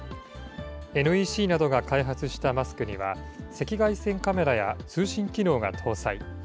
ＮＥＣなどが開発したマスクには、赤外線カメラや通信機能が搭載。